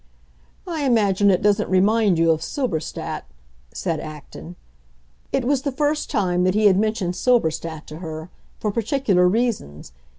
"I imagine it doesn't remind you of Silberstadt," said Acton. It was the first time that he had mentioned Silberstadt to her, for particular reasons.